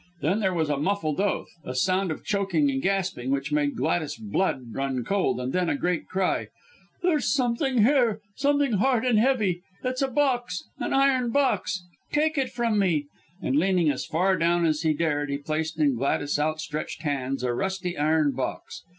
Then there was a muffled oath, a sound of choking and gasping, which made Gladys's blood run cold, and then a great cry. "There's something here, something hard and heavy. It's a box, an iron box! Take it from me." And leaning as far down as he dared, he placed in Gladys's outstretched hands, a rusty iron box.